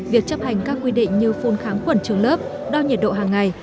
việc chấp hành các quy định như phun kháng quẩn trường lớp đo nhiệt độ hàng ngày